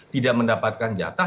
tidak mendapatkan jatah